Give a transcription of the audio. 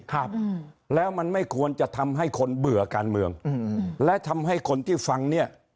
ครับอืมแล้วมันไม่ควรจะทำให้คนเบื่อการเมืองอืมและทำให้คนที่ฟังเนี้ย